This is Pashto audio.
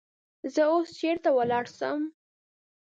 زه اوس چیری ولاړسم؟